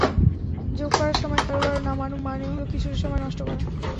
যোগ করা সময়ে খেলোয়াড় নামানো মানে হলো কিছুটা সময় নষ্ট করা।